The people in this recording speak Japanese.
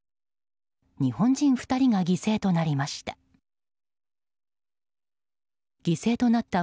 日本人２人が犠牲となりました。